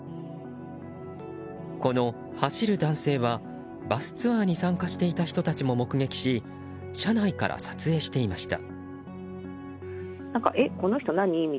この走る男性は、バスツアーに参加していた人たちも目撃し車内から撮影していました。